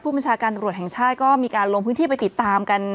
บัญชาการตำรวจแห่งชาติก็มีการลงพื้นที่ไปติดตามกัน